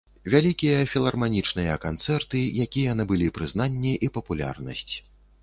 Вялікія філарманічныя канцэрты, якія набылі прызнанне і папулярнасць.